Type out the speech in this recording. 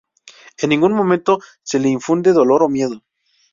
En ningún momento se le infunde dolor o miedo.